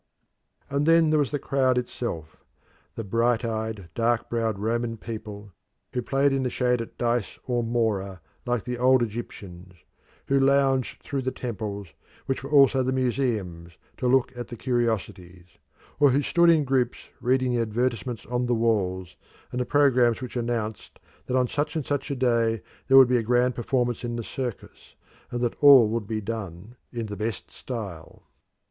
And then there was the crowd itself the bright eyed, dark browed Roman people, who played in the shade at dice or mora like the old Egyptians; who lounged through the temples, which were also the museums, to look at the curiosities; or who stood in groups reading the advertisements on the walls, and the programmes which announced that on such and such a day there would be a grand performance in the circus and that all would be done in the best style.